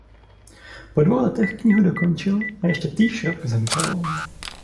Po dvou letech knihu dokončil a ještě týž rok zemřel.